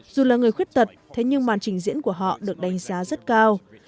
dù là người khuyết tật thế nhưng màn trình diễn của họ được đánh giá rất cao